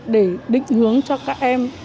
để định hướng cho các em